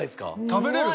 食べれる？